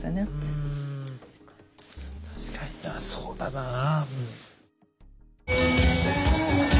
うん確かになそうだなぁ。